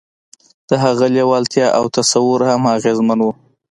د هغه لېوالتیا او تصور هم اغېزمن وو